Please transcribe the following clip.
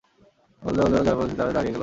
ফল হল, যারা চলে যাচ্ছিল তারা দাঁড়িয়ে গেল।